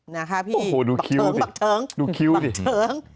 นะคะพี่บักเทิงโอโหดูคิ้วสิ